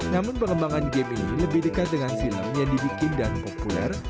namun pengembangan game ini lebih dekat dengan film yang dibikin dan populer